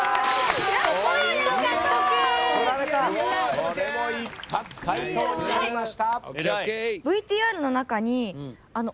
これも一発解答になりました。